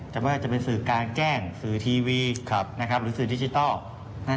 ไม่ว่าจะเป็นสื่อกลางแจ้งสื่อทีวีหรือสื่อดิจิทัล